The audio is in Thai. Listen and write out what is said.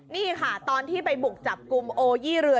นี่ค่ะตอนที่ไปบุกจับกลุ่มโอยี่เรือ